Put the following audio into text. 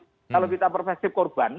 pemasyarakatan itu harus perspektif korban